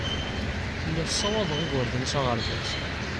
Lliɣ ssawaḍeɣ igerdan s aɣerbaz.